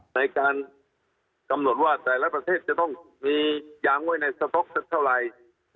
ในการกำหนดว่าแต่ละประเทศจะต้องมียางไว้ในสะพกสักเท่าไหร่